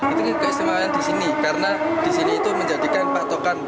itu keistimewaan di sini karena di sini itu menjadikan patokan